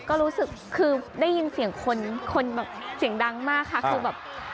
ก็รู้สึกคือได้ยินเสียงคนคนแบบเสียงดังมากค่ะคือแบบ